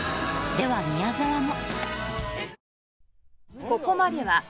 では宮沢も。